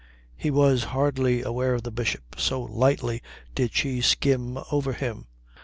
He was hardly aware of the Bishop, so lightly did she skim over him.